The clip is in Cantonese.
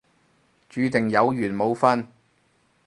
注定有緣冇瞓